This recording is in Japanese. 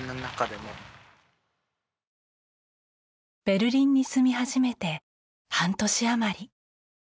ベルリンに住み始めて半年余り。